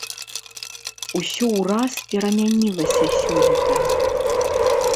Усё ўраз перамянілася сёлета.